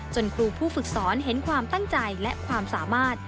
ครูผู้ฝึกสอนเห็นความตั้งใจและความสามารถ